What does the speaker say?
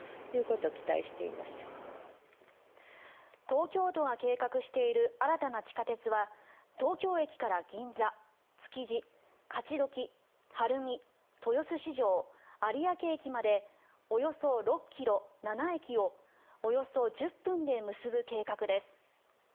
東京都が計画している新たな地下鉄は東京駅から銀座、築地、勝どき晴海、豊洲市場、有明駅までおよそ６ｋｍ、７駅をおよそ１０分で結ぶ計画です。